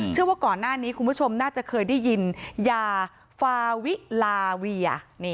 เชื่อว่าก่อนหน้านี้คุณผู้ชมน่าจะเคยได้ยินยาฟาวิลาเวีย